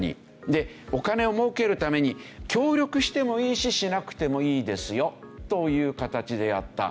でお金を儲けるために協力してもいいししなくてもいいですよという形でやった。